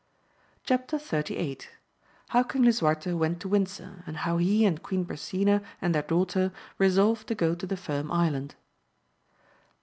Chap. XXXVllJ, — How King Lisuarte went to Windsor, and how he and Queen Brisena and their daughter resolved to go to the Firm Island.